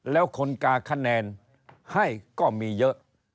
แล้วคนกาคะแนนให้ก็มีเยอะ